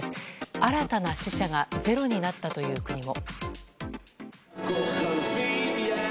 新たな死者がゼロになったという国も。